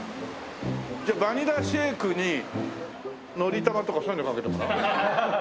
じゃあバニラシェイクにのりたまとかそういうのかけてもらう？